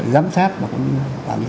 giám sát và quản lý